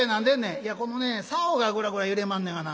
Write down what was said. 「いやこのねさおがグラグラ揺れまんねやがな。